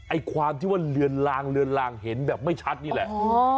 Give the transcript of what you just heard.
ไอ้ความที่ว่าเลือนลางเลือนลางเห็นแบบไม่ชัดนี่แหละ